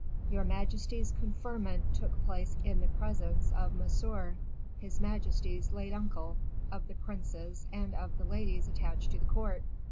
"Your majesty's conferment took place in the presence of Monsieur, his majesty's late uncle, of the princes, and of the ladies attached to the court.